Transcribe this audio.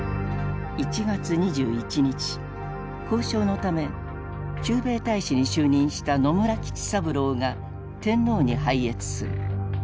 交渉のため駐米大使に就任した野村吉三郎が天皇に拝謁する。